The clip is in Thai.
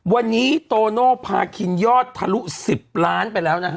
วันนี้โตโน่พาคินยอดทะลุ๑๐ล้านไปแล้วนะฮะ